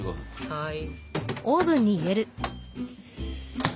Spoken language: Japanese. はい。